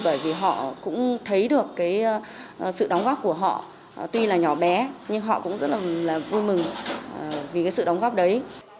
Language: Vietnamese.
bởi vì họ cũng thấy được cái sự đóng góp của họ tuy là nhỏ bé nhưng họ cũng rất là vui mừng vì cái sự đóng góp đấy